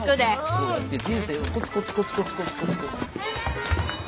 そうやって人生をコツコツコツコツコツコツ。